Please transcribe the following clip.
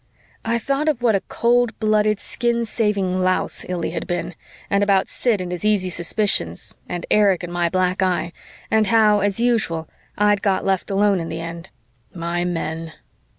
I thought of what a cold blooded, skin saving louse Illy had been, and about Sid and his easy suspicions, and Erich and my black eye, and how, as usual, I'd got left alone in the end. My men!